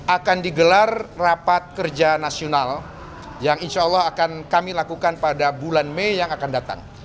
akan digelar rapat kerja nasional yang insya allah akan kami lakukan pada bulan mei yang akan datang